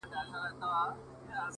اوس مي د سپين قلم زهره چاودلې _